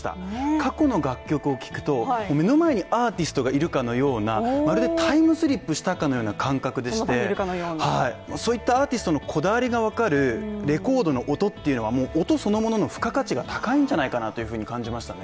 過去の楽曲を聞くと、目の前にアーティストがいるかのようなタイムスリップしたかのような感覚でしているかのようなそういったアーティストのこだわりがわかるレコードの音っていうのはもう音そのものの付加価値が高いんじゃないかなというふうに感じましたね